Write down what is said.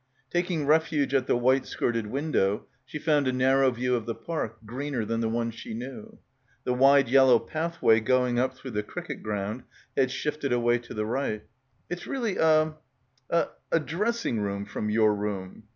Taking refuge at the white skirted window, she found a narrow view of the park, greener than the one she knew. The wide yellow pathway going up through the cricket ground had shifted away to the right. — 129 — PILGRIMAGE "It's really a — a — a dressing room from your room."